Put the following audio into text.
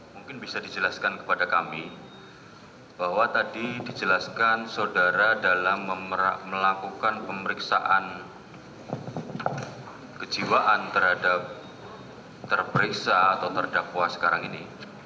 mungkin bisa dijelaskan kepada kami bahwa tadi dijelaskan saudara dalam melakukan pemeriksaan kejiwaan terhadap terperiksa atau terdakwa sekarang ini